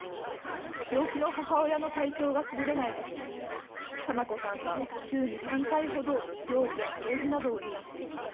病気の母親の体調がすぐれないとき、かなこさんが週に３回ほど料理や掃除などを担っています。